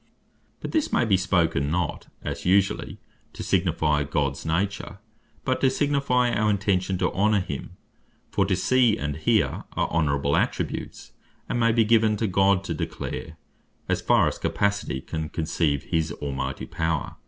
But this may be spoken, not (as usually) to signifie Gods nature, but to signifie our intention to honor him. For to See, and Hear, are Honorable Attributes, and may be given to God, to declare (as far as our capacity can conceive) his Almighty power.